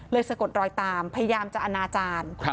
สะกดรอยตามพยายามจะอนาจารย์